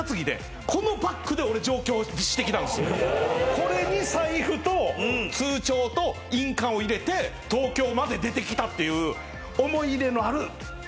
これに財布と通帳と印鑑を入れて東京まで出てきたっていう。